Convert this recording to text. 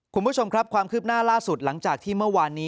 คุณผู้ชมครับความคืบหน้าล่าสุดหลังจากที่เมื่อวานนี้